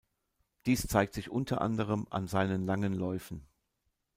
Dies zeigt sich unter anderem an seinen langen Läufen.